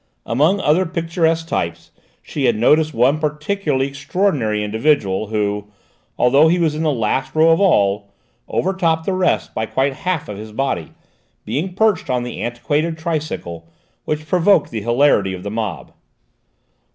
Among other picturesque types she had noticed one particularly extraordinary individual who, although he was in the last row of all, overtopped the rest by quite half of his body, being perched on an antiquated tricycle, which provoked the hilarity of the mob.